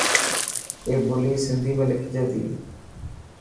اي ٻولي سنڌي ۾ لکجي تي.